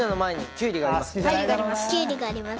きゅうりがあります。